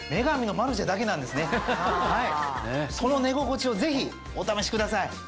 その寝心地をぜひお試しください。